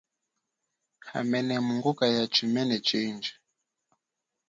Hamene mungukathuka chimene chindji.